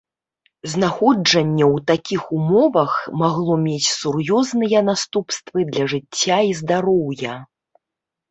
Знаходжанне ў такіх ўмовах магло мець сур'ёзныя наступствы для жыцця і здароўя.